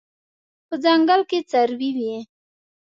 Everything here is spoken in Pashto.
په ځنګل کې څاروي وي